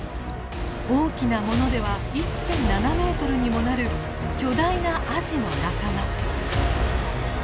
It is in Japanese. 大きなものでは１．７メートルにもなる巨大なアジの仲間。